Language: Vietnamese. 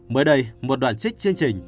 mới đây một đoạn trích chương trình